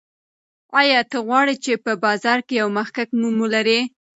آیا ته غواړې چې په بازار کې یو مخکښ نوم ولرې؟